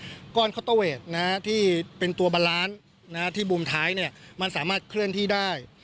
อีกประเด็นนึงที่ตัดออกไปก็คือก้อนคอตเตอร์เวทที่เป็นตัวบาลานซ์ที่บูมท้ายมันสามารถเคลื่อนที่ได้